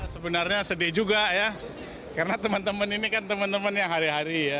sebenarnya sedih juga ya karena teman teman ini kan teman teman yang hari hari ya